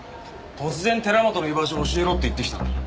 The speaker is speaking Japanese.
突然寺本の居場所を教えろって言ってきたんだ。